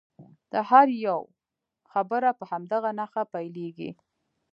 د هر یوه خبره په همدغه نښه پیلیږي.